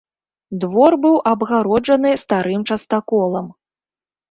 Двор быў абгароджаны старым частаколам.